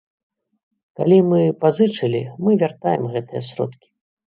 Калі мы пазычылі, мы вяртаем гэтыя сродкі.